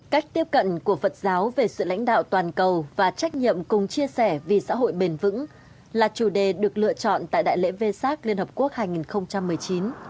cách tiếp cận của phật giáo về sự lãnh đạo toàn cầu và trách nhiệm cùng chia sẻ vì xã hội bền vững là chủ đề được lựa chọn tại đại lễ v sac liên hợp quốc hai nghìn một mươi chín